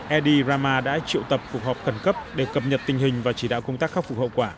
eddie rama đã triệu tập phục hợp khẩn cấp để cập nhật tình hình và chỉ đạo công tác khắc phục hậu quả